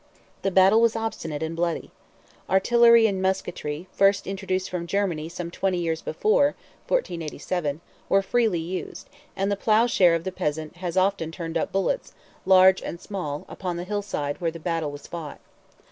The battle was obstinate and bloody. Artillery and musketry, first introduced from Germany some twenty years before (1487), were freely used, and the ploughshare of the peasant has often turned up bullets, large and small, upon the hillside where the battle was fought.